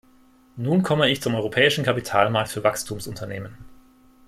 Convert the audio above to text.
Nun komme ich zum europäischen Kapitalmarkt für Wachstumsunternehmen.